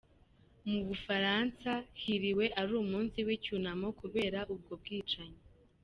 Mu Bufaransa, hiriwe ari umunsi w’icyunamo, kubera ubwo bwicanyi.